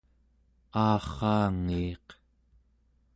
aarraangiiq